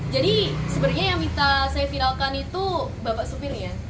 jadi sebenarnya yang minta saya viralkan itu bapak supirnya